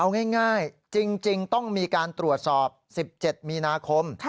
เอาง่ายจริงต้องมีการตรวจสอบ๑๗มีนาคม